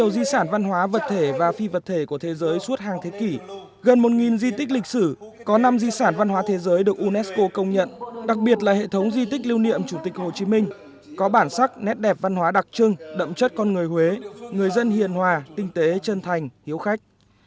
di sản văn hóa vật thể và phi vật thể của thế giới suốt hàng thế kỷ gần một di tích lịch sử có năm di sản văn hóa thế giới được unesco công nhận đặc biệt là hệ thống di tích lưu niệm chủ tịch hồ chí minh có bản sắc nét đẹp văn hóa đặc trưng đậm chất con người huế người dân hiền hòa tinh tế chân thành hiếu khách